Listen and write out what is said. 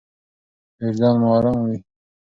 وجدان مو ارام وي.